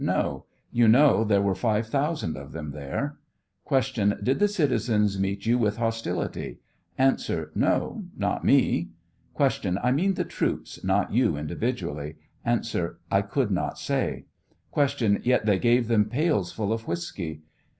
No ; you know there were five thousand of them there. Q. Did the citizens meet you with hostility ? A. No ; not me. Q. I mean the troops, not you individually. A. I could not say. Q. Yet they gave them pails full of whiskey